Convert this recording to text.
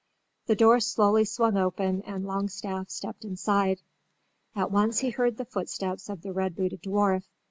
The door slowly swung open and Longstaff stepped inside. At once he heard the footsteps of the red booted dwarf.